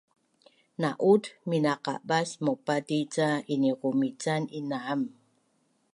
Na’ut minaqabas maupati ca iniqumican inam